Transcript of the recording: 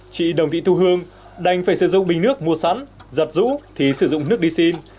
chị đồng thị thu hương đành phải sử dụng bình nước mua sẵn giặt rũ thì sử dụng nước đi xin